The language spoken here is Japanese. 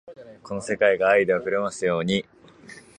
この世界が愛で溢れますように